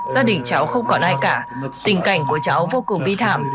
gia đình cháu không còn ai cả tình cảnh của cháu vô cùng bi thảm